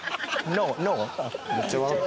ノー？